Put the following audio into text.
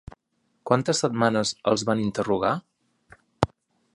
Quantes setmanes els van interrogar?